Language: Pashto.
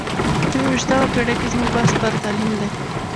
په یو ویشتمه پېړۍ کې زموږ بحث پر تعلیم دی.